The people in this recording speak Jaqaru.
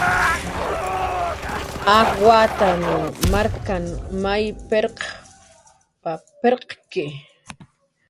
Ak wataw marknhan may pirq pirqki